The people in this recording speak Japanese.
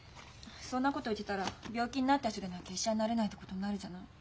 そんなこと言ってたら病気になった人でなきゃ医者になれないってことになるじゃない。